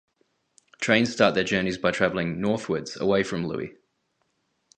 Trains start their journey by travelling "northwards", away from Looe.